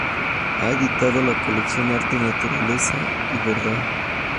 Ha editado la colección ‘Arte, Naturaleza y Verdad.